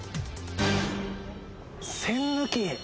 栓抜き。